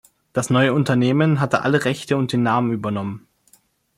Das neue Unternehmen hatte alle Rechte und den Namen übernommen.